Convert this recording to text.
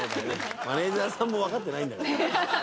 マネジャーさんも分かってないんだから。